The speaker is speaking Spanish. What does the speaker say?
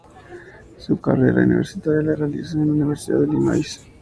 Su carrera universitaria la realizó en la Universidad de Illinois.